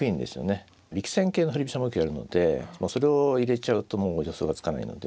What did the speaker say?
力戦形の振り飛車もよくやるのでもうそれを入れちゃうと予想がつかないので。